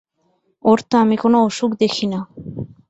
ওর তো আমি কোনো অসুখ দেখি না।